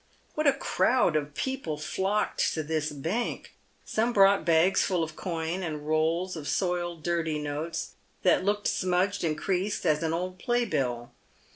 What a crowd of people flocked to this bank ! Some brought bags full of coin, and rolls of soiled, dirty notes, that looked smudged and creased as an old playbill.